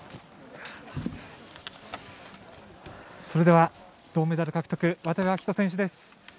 それでは銅メダル獲得渡部暁斗選手です。